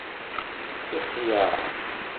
Ixyar